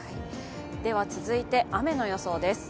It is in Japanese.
続いて雨の予想です。